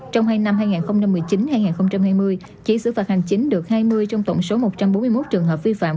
trong hai năm hai nghìn một mươi chín hai nghìn hai mươi chỉ xử phạt hành chính được hai mươi trong tổng số một trăm bốn mươi một trường hợp vi phạm